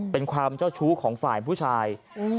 เป็นความเจ้าชู้ของฝ่ายผู้ชาย